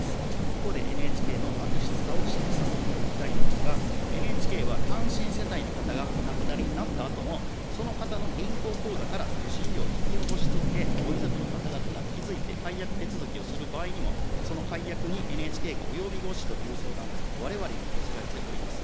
ここでＮＨＫの悪質さを指摘させていただきたいのですが、ＮＨＫは単身世帯の方が、お亡くなりになったあとも、その方の銀行口座から受信料を引き落とし続け、ご遺族の方々が気付いて、解約手続きをする場合にも、その解約にＮＨＫが及び腰という相談、われわれに寄せられております。